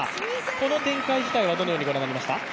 この展開自体はどのようにご覧になりました？